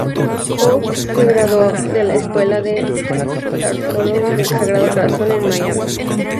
Hugh y se graduó de la Escuela de Carrollton del Sagrado Corazón en Miami.